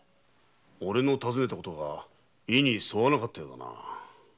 俺の尋ねたことが意に沿わなかったのかな？